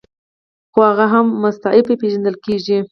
هو هغه هم مستعفي پیژندل کیږي.